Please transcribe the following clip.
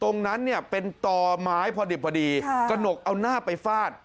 ตรงนั้นเนี่ยเป็นต่อไม้พอดิบพอดีกระหนกเอาหน้าไปฟาด